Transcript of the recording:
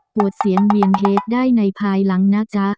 เสียงเวียนเฮดได้ในภายหลังนะจ๊ะ